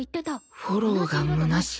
フォローがむなしい